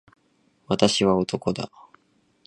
私は男だ。